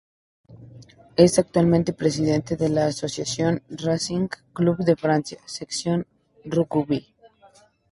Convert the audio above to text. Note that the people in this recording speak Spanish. Es actualmente presidente de la Asociación Racing club de Francia, sección rugby.